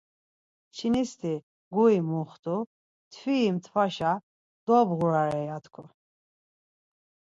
Kçinisti guri muxtu, mtviri mtvaşa dobğurare, ya tku.